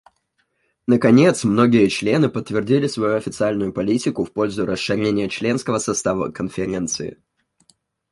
Наконец, многие члены подтвердили свою официальную политику в пользу расширения членского состава Конференции.